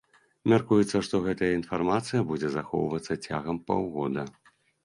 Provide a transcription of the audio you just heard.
Мяркуецца, што гэтая інфармацыя будзе захоўвацца цягам паўгода.